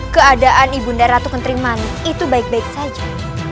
keadaan ibu daratu kenterimani itu baik baik saja